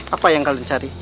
apa yang kalian cari